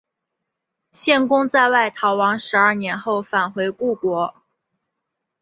献公在外逃亡十二年后返回故国。